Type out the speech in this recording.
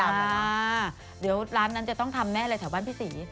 เดี๋ยวร้านนั้นจะต้องทำแน่เลยแถวบ้านพี่ศรี